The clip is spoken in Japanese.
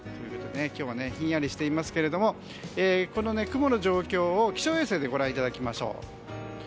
今日はひんやりしていますけどもこの雲の状況を気象衛星でご覧いただきましょう。